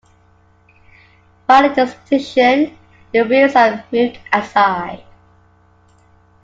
While in this position the wheels are moved aside.